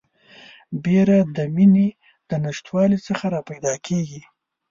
بیره د میني د نشتوالي څخه راپیدا کیږي